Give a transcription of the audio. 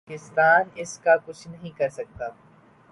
پاکستان اس کا کچھ نہیں کر سکتا۔